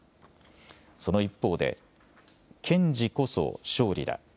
その一方で堅持こそ勝利だ。